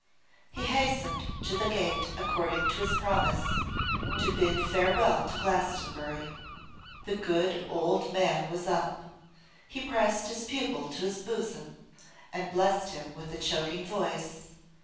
He hastened to the gate according to his promise, to bid farewell to Glastonbury. The good old man was up. He pressed his pupil to his bosom, and blessed him with a choking voice.